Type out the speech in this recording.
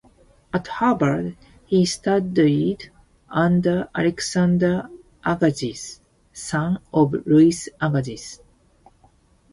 At Harvard, he studied under Alexander Agassiz, son of Louis Agassiz.